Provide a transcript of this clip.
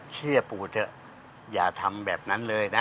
เชื่อปู่เถอะอย่าทำแบบนั้นเลยนะ